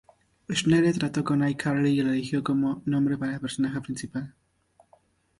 Schneider trató con "iCarly" y lo eligió como nombre para el personaje principal.